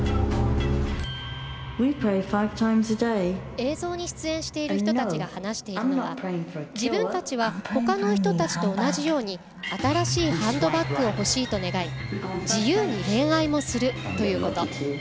映像に出演している人たちが話しているのは自分たちはほかの人たちと同じように新しいハンドバッグを欲しいと願い自由に恋愛もするということ。